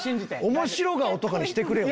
面白顔とかにしてくれよ。